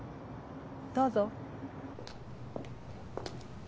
どうぞ。